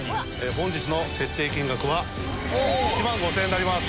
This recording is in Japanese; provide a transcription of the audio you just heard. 本日の設定金額は１万５０００円になります。